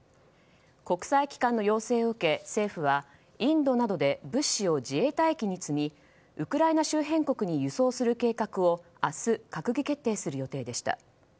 国際機関の要請を受け、政府はインドなどで物資を自衛隊機に積みウクライナ周辺国に輸送する計画を明日、閣議決定する予定でした。